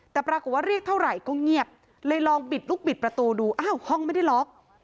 แต่ปรากฏว่าเรียกเท่าไหร่ก็เงียบเลยลองบิดลูกบิดประตูดูอ้าวห้องไม่ได้ล็อก